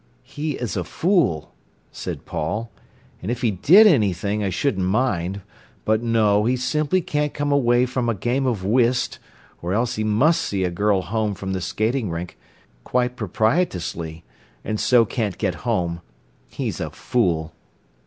"He is a fool," said Paul. "And if he did anything I shouldn't mind. But no, he simply can't come away from a game of whist, or else he must see a girl home from the skating rink—quite proprietously—and so can't get home. He's a fool."